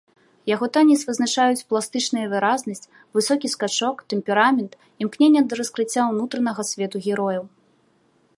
Яго танец вызначаюць пластычная выразнасць, высокі скачок, тэмперамент, імкненне да раскрыцця ўнутранага свету герояў.